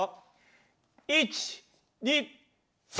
１２３！